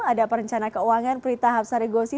ada perencana keuangan prita hapsari gosi